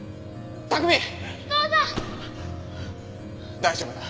大丈夫だ。